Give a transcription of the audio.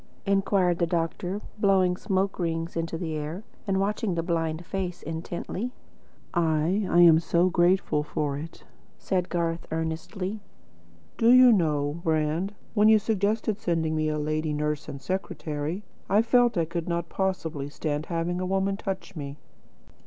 inquired the doctor, blowing smoke rings into the air, and watching the blind face intently. "Ah, I am so grateful for it," said Garth earnestly. "Do you know, Brand, when you suggested sending me a lady nurse and secretary, I felt I could not possibly stand having a woman touch me."